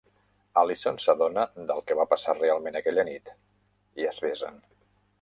Alison s'adona del que va passar realment aquella nit, i es besen.